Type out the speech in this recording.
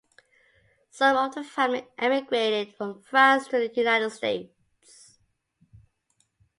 Some of the family emigrated from France to the United States.